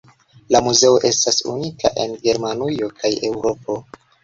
La muzeo estas unika en Germanujo kaj Eŭropo.